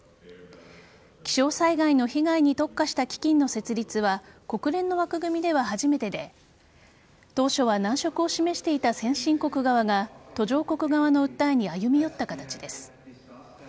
気象災害の被害に特化した基金の設立は国連の枠組みでは初めてで当初は難色を示していた先進国側が途上国側の訴えに歩み寄った形です。